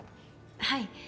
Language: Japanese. はい。